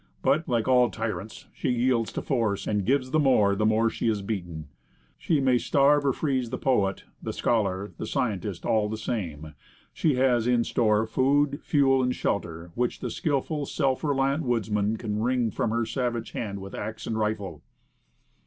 But, like all tyrants,, she yields to force, and gives the more, the more she is beaten. She may starve or freeze the poet, the scholar, the scientist; all the same, she has in store food, fuel and shelter, which the skillful, self reliant woodsman can wring from her savage hand with axe and rifle.